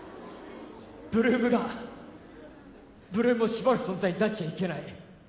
８ＬＯＯＭが８ＬＯＯＭを縛る存在になっちゃいけない